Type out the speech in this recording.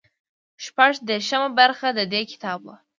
شپږ دېرشمه برخه د دې کتاب وو.